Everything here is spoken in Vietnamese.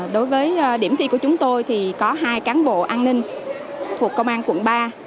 đối với điểm thi của chúng tôi thì có hai cán bộ an ninh thuộc công an quận ba